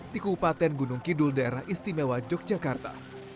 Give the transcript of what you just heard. di kabupaten gunung kidul daerah istimewa yogyakarta